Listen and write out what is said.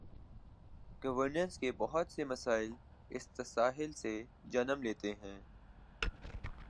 Governance کے بہت سے مسائل اس تساہل سے جنم لیتے ہیں۔